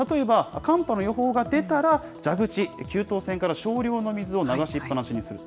例えば、寒波の予報が出たら、蛇口、給湯栓から少量の水を流しっぱなしにすると。